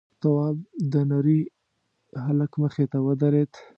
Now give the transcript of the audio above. تواب د نري هلک مخې ته ودرېد: